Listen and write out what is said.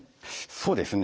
そうですね。